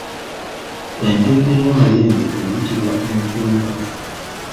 Ente eterina mayembe eyitibwa Enkunku.